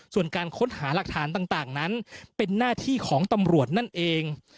ส่วนการค้นหาหลักฐานต่างนั้นเป็นหน้าที่ของตำรวจนั่นเอง